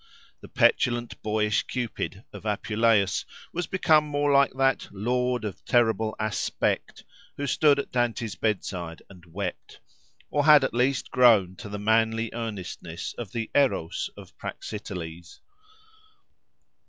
The petulant, boyish Cupid of Apuleius was become more like that "Lord, of terrible aspect," who stood at Dante's bedside and wept, or had at least grown to the manly earnestness of the Erôs of Praxiteles.